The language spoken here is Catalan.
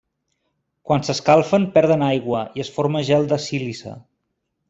Quan s'escalfen perden aigua i es forma gel de sílice.